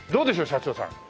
社長さん。